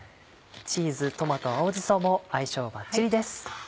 チーズトマト青じそも相性バッチリです。